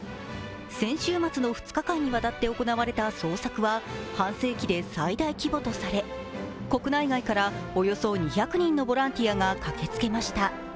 先週末の２日間にわたって行われた捜索は半世紀で最大規模とされ、国内外からおよそ２００人のボランティアが駆けつけました。